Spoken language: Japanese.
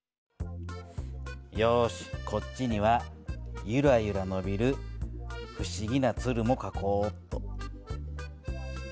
よしこっちにはゆらゆらのびる不思議なつるもかこおっと。